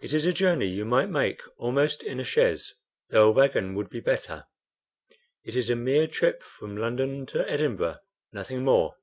It is a journey you might make, almost, in a chaise, though a wagon would be better. It is a mere trip from London to Edinburgh, nothing more."